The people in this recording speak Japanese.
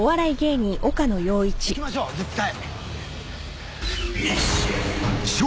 行きましょう絶対。